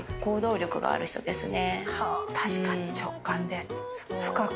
確かに。